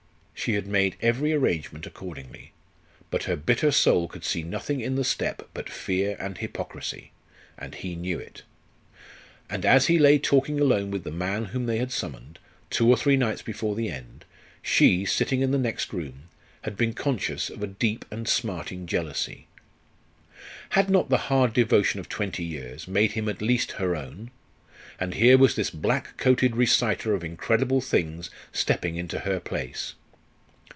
She had made every arrangement accordingly; but her bitter soul could see nothing in the step but fear and hypocrisy; and he knew it. And as he lay talking alone with the man whom they had summoned, two or three nights before the end, she, sitting in the next room, had been conscious of a deep and smarting jealousy. Had not the hard devotion of twenty years made him at least her own? And here was this black coated reciter of incredible things stepping into her place.